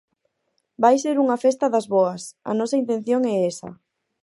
Vai ser unha festa das boas, a nosa intención é esa.